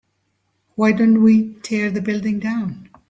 why don't we tear the building down?